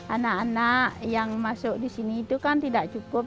anak anak yang masuk di sini itu kan tidak cukup